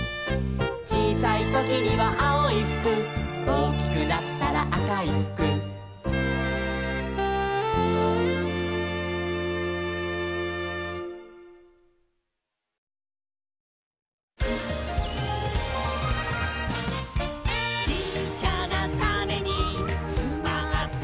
「ちいさいときにはあおいふく」「おおきくなったらあかいふく」「ちっちゃなタネにつまってるんだ」